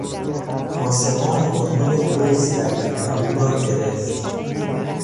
پاسبان دنبال دزد دوید و او را گرفت.